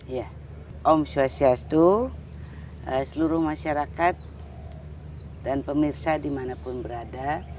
ya om swastiastu seluruh masyarakat dan pemirsa dimanapun berada